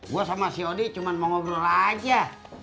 gua sama si odi cuma mau ngobrol aja